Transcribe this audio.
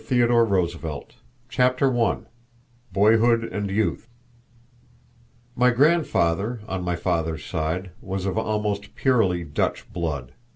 THEODORE ROOSEVELT CHAPTER I BOYHOOD AND YOUTH My grandfather on my father's side was of almost purely Dutch blood.